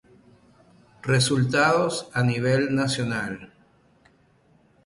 Resultados a nivel nacional.